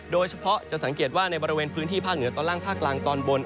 โดยเฉพาะจะสังเกตว่าในบริเวณพื้นที่ภาคเหนือตอนล่างภาคกลางตอนบน